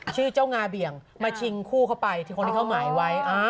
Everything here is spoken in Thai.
ชื่อเจ้างาเบี่ยงมาชิงคู่เข้าไปที่คนที่เขาหมายไว้